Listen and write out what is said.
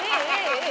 え？え？